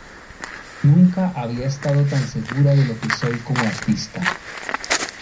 Nunca había estado tan segura de lo que soy como artista.